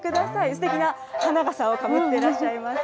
すてきな花笠をかぶってらっしゃいます。